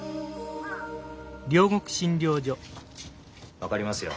・分かりますよ